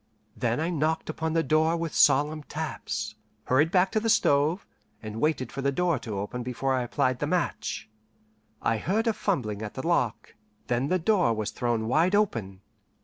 Then I knocked upon the door with solemn taps, hurried back to the stove, and waited for the door to open before I applied the match. I heard a fumbling at the lock, then the door was thrown wide open.